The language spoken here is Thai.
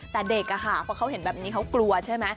แต่เด็กพอเขาเห็นแบบนี้เขากลัวใช่ไหม